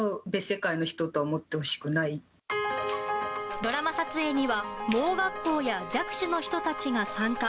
ドラマ撮影には盲学校や弱視の人たちが参加。